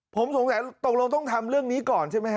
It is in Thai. ผมสงสัยตกลงต้องทำเรื่องนี้ก่อนใช่ไหมฮะ